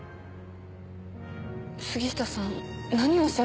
杉下さん何をおっしゃるんです？